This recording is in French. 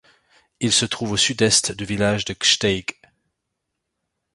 Il se trouve au sud-est du village de Gsteig.